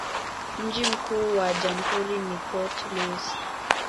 Mji mkuu wa jamhuri ni Port Louis.